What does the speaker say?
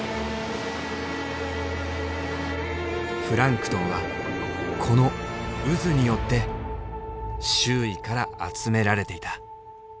プランクトンはこの渦によって周囲から集められていた。